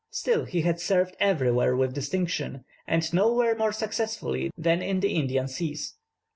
Still he had served everywhere with distinction, and nowhere more successfully than in the Indian Seas.